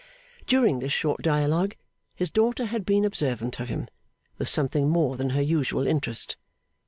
During this short dialogue, his daughter had been observant of him, with something more than her usual interest.